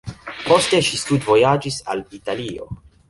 Poste ŝi studvojaĝis al Italio.